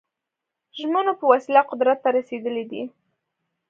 ژمنو په وسیله قدرت ته رسېدلي دي.